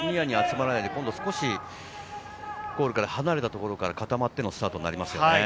ゴールから離れたところで固まってのスタートになりますね。